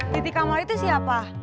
titik kamal itu siapa